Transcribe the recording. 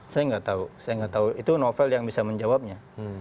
saya nggak tahu itu novel yang bisa menjawabnya